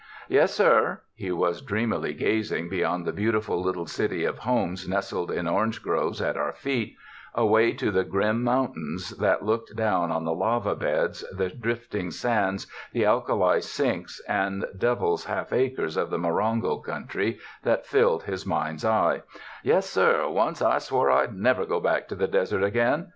"Yes, sir" — he was dreamily gazing beyond the beautiful little city of homes nestled in orange groves at our feet, away to the grim mountains that looked down on the lava beds, the drifting sands, the alkali sinks and devil's half acres of the Morongo country that filled his mind's eye — *'yes, sir, once I swore I'd never go back to the desert again.